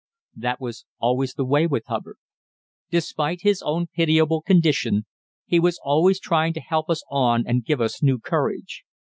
That was always the way with Hubbard. Despite his own pitiable condition, he was always trying to help us on and give us new courage.